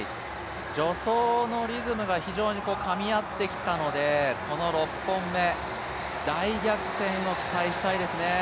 助走のリズムが非常にかみ合ってきたので、この６本目、大逆転を期待したいですね。